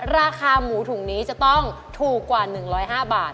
ราคาหมูถุงนี้จะต้องถูกกว่า๑๐๕บาท